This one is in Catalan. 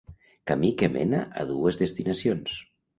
Camí que mena a dues destinacions.